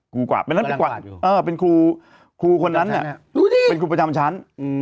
ครูกวาดอ่ะเป็นครูคนนั้นเนี่ยเป็นครูประจำชั้น